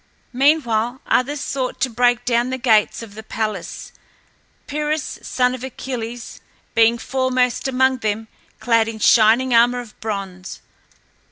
Meanwhile others sought to break down the gates of the palace, Pyrrhus, son of Achilles, being foremost among them, clad in shining armor of bronze.